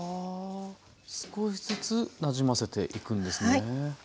少しずつなじませていくんですね。